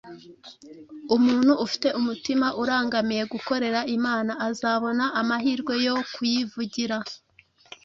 Umuntu ufite umutima urangamiye gukorera Imana azabona amahirwe yo kuyivugira